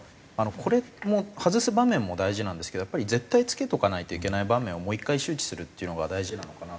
これも外す場面も大事なんですけどやっぱり絶対着けておかないといけない場面をもう１回周知するっていうのが大事なのかなと思ってまして。